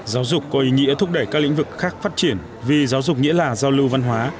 giáo dục có ý nghĩa thúc đẩy các lĩnh vực khác phát triển vì giáo dục nghĩa là giao lưu văn hóa